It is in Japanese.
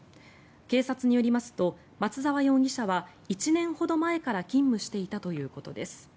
警察によりますと松沢容疑者は１年ほど前から勤務していたということです。